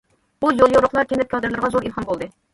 بۇ يوليورۇقلار كەنت كادىرلىرىغا زور ئىلھام بولدى.